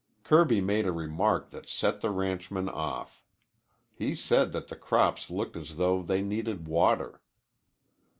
Kirby made a remark that set the ranchman off. He said that the crops looked as though they needed water.